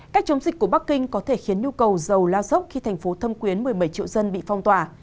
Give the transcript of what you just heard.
cách chống dịch của bắc kinh có thể khiến nhu cầu dầu lao dốc khi thành phố thâm quyến một mươi bảy triệu dân bị phong tỏa